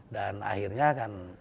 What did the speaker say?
dan akhirnya kan